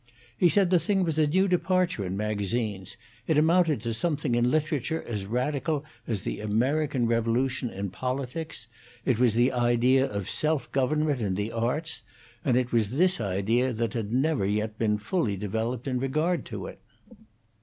He said the thing was a new departure in magazines; it amounted to something in literature as radical as the American Revolution in politics: it was the idea of self government in the arts; and it was this idea that had never yet been fully developed in regard to it.